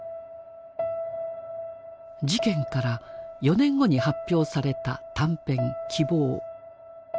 事件から４年後に発表された短編「希望」。